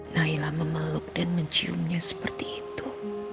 naila memeluk dan menciumnya seperti itu